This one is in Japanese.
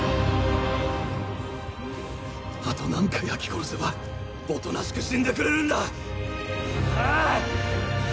あと何回焼き殺せばおとなしく死んでくれるんだ？